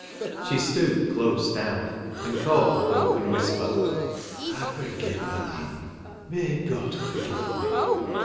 She stooped close down, and caught the broken whisper, ' I forgive her, Anne ! May God forgive me.'